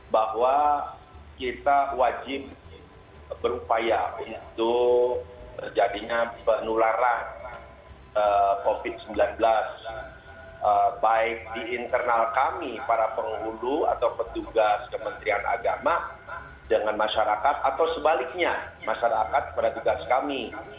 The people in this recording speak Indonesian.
bahwa kita wajib berupaya untuk jadinya penularan covid sembilan belas baik di internal kami para penghulu atau petugas kementerian agama dengan masyarakat atau sebaliknya masyarakat pada tugas kami